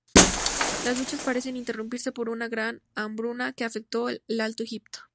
Las luchas parecen interrumpirse por una gran hambruna que afectó al Alto Egipto.